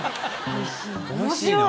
面白い！